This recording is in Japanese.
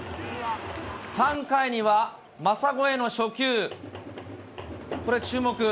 ３回には、まさ超えの初球、これ、注目。